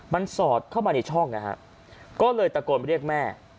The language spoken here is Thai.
มันสอดเข้ามาในช่องนะฮะก็เลยตะโกนเรียกแม่